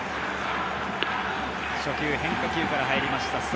初球、変化球から入りました。